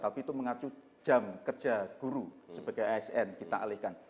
tapi itu mengacu jam kerja guru sebagai asn kita alihkan